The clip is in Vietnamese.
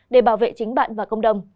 để bảo vệ chính bạn và công đồng